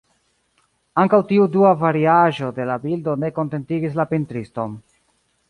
Ankaŭ tiu dua variaĵo de la bildo ne kontentigis la pentriston.